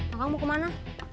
akang mau kemana